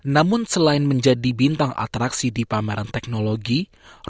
robot juga akan berpengalaman untuk mencari teknologi yang berbeda dengan teknologi lainnya